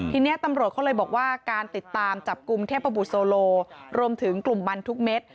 ทีนี้ตำรวจเขาเลยบอกว่าการติดตามจับกลุ่มเทพบุตรโซโลรวมถึงกลุ่มบรรทุกเม็ด